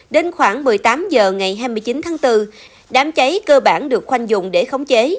đến khoảng một mươi tám h ngày hai mươi chín tháng bốn đám cháy cơ bản được khoanh dùng để khống chế